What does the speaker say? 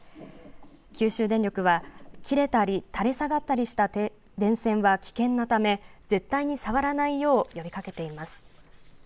九州電力は切れたり垂れ下がったりした電線は危険なため絶対に触らないよう呼びかけています。